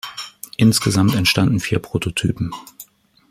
Insgesamt entstanden vier Prototypen.